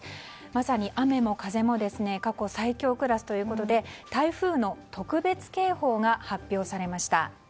まさに雨も風も過去最強クラスということで台風の特別警報が発表されました。